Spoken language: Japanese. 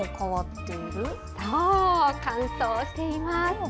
そう、乾燥しています。